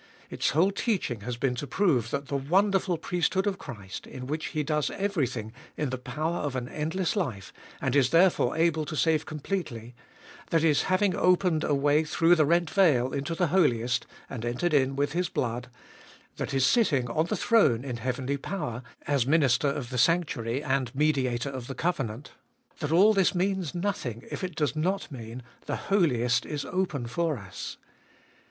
Its whole teaching has been to prove that the wonderful priesthood of Christ, in which He does everything in the power of an endless life, and is therefore able to save completely ; that His having opened a way through the rent veil into the Holiest, and entered in with His blood ; that His sitting on the throne in heavenly power, as Minister of the sanctuary and Mediator of the covenant ; that all this means nothing if it does not mean — the Holiest is open for us.